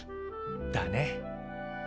だね。